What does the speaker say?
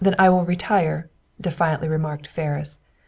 "I will then retire," defiantly remarked Ferris.